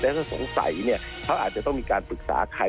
ถ้าสงสัยเนี่ยเขาอาจจะต้องมีการปรึกษาใคร